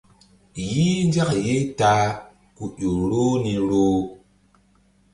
Yih nzak ye ta a ku ƴo roh ni roh.